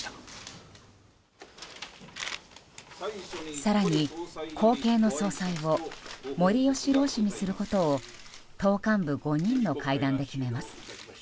更に、後継の総裁を森喜朗氏にすることを党幹部５人の会談で決めます。